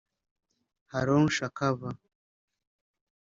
Haron Shakava